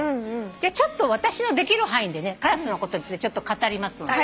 じゃちょっと私のできる範囲でカラスのことについてちょっと語りますので。